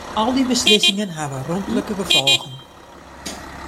Al dy beslissingen hawwe romtlike gefolgen.